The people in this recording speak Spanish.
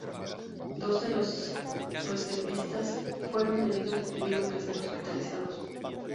Dos de los reservistas fueron heridos y tuvieron que ser hospitalizados.